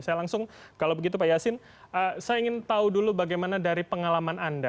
saya langsung kalau begitu pak yasin saya ingin tahu dulu bagaimana dari pengalaman anda